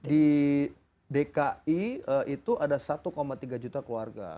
di dki itu ada satu tiga juta keluarga